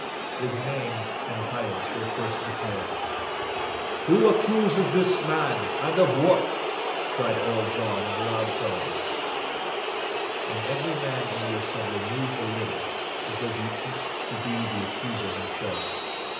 His names and titles were first declared. 'Who accuses this man, and of what?' cried Earl John in loud tones. And every man in the assembly moved a little, as though he itched to be the accuser himself.